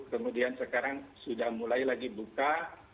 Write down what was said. kemudian sekarang sudah mulai lagi buka